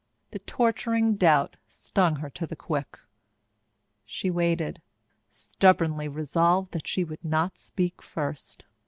The torturing doubt stung her to the quick. She waited, stubbornly resolved that she would not speak first.